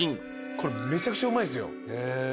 これめちゃくちゃうまいんすよ。